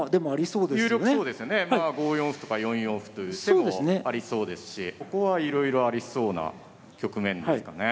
５四歩とか４四歩という手もありそうですしここはいろいろありそうな局面ですかね。